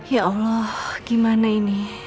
ya allah gimana ini